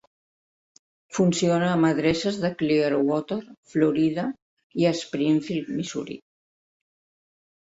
Funciona amb adreces de Clearwater, Florida, i a Springfield, Missouri.